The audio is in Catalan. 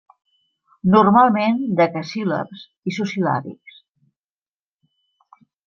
Normalment decasíl·labs isosil·làbics.